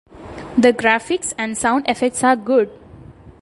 The graphics and sound effects are good.